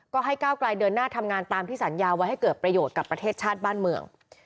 ก็ให้ก้าวกลายเดินหน้าทำงานตามที่สัญญาไว้ให้เกิดประโยชน์กับประเทศชาติบ้านเมือง